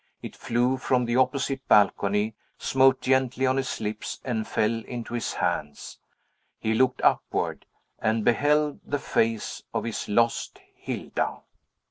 It flew from the opposite balcony, smote gently on his lips, and fell into his hand. He looked upward, and beheld the face of his lost Hilda!